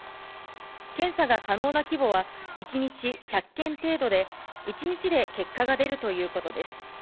検査が可能な規模は１日１００件程度で、１日で結果が出るということです。